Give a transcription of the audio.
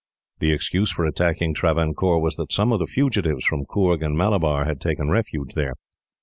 The excuse for attacking Travancore was that some of the fugitives, from Coorg and Malabar, had taken refuge there.